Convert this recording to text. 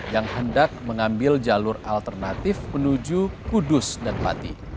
yang hendak mengambil jalur alternatif menuju kudus dan pati